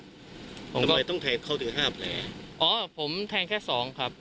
ผมก็เลยต้องแทงเขาถึงห้าแผลอ๋อผมแทงแค่สองครับ